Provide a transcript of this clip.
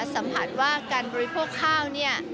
สัมผัสว่าการบริโภคข้าวเนี่ย